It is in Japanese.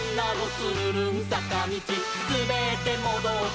つるるんさかみち」「すべってもどって」